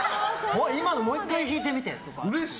今のもう１回引いてみてとか。